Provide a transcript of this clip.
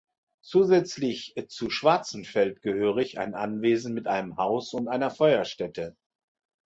Zusätzlich zu Schwarzenfeld gehörig ein Anwesen mit einem Haus und einer Feuerstätte.